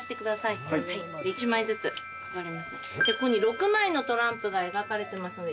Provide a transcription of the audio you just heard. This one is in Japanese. ここに６枚のトランプが描かれてますので。